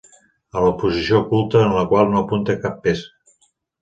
O la posició oculta en la qual no apunta cap peça.